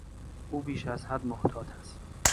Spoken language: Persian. او بیش از حد محتاط است.